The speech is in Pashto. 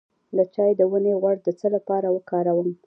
د چای د ونې غوړي د څه لپاره وکاروم؟